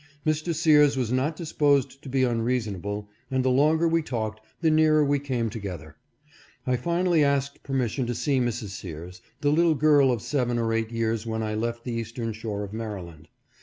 Mr. Sears was not disposed to MEETING WITH MISS AMANDA. 479 be unreasonable and the longer we talked the nearer we came together. I finally asked permission to see Mrs. Sears, the little girl of seven or eight years when I left the eastern shore of Maryland.